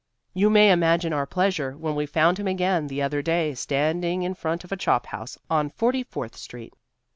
You may imagine our pleasure when we found him again the other day standing in front of a chop house on Forty fourth Street.